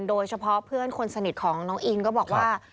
โดยเฉพาะเพื่อนคนสนิทของน้องอินก็บอกว่า